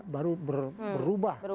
baru berubah kondisinya